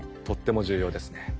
とっても重要ですね。